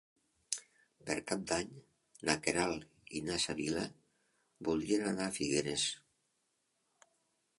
Per Cap d'Any na Queralt i na Sibil·la voldrien anar a Figueres.